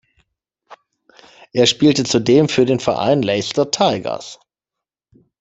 Er spielte zudem für den Verein Leicester Tigers.